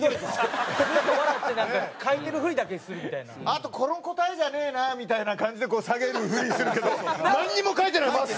あとこの答えじゃねえなみたいな感じで下げるふりするけどなんにも書いてない真っ白。